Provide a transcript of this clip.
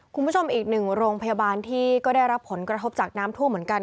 คุณผู้ชมอีกหนึ่งโรงพยาบาลที่ก็ได้รับผลกระทบจากน้ำท่วมเหมือนกัน